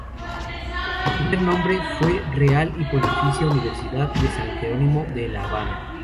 Su primer nombre fue Real y Pontificia Universidad de San Gerónimo de La Habana.